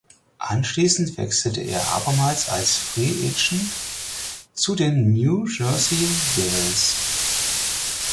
Anschließend wechselte er abermals als Free Agent zu den New Jersey Devils.